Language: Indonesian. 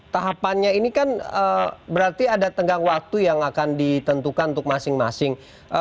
tahapannya ini kan berarti ada tenggang waktu yang akan ditentukan untuk masing masing